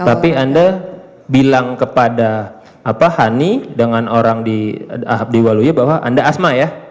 tapi anda bilang kepada hani dengan orang di abdiwaluyo bahwa anda asma ya